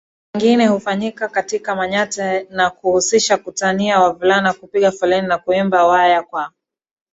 mwingine hufanyika katika manyatta na kuhusisha kutaniana Wavulana hupiga foleni na kuimba Ooooohyah kwa